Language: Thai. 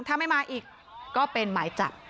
ถ้าไม่มาอีกก็เป็นหมายจับ